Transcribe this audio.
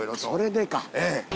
それでか。